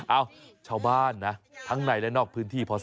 เอ้าชาวบ้านนะทั้งในและนอกพื้นที่พศ